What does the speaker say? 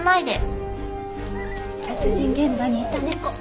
殺人現場にいた猫。